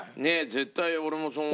絶対俺もそう思う。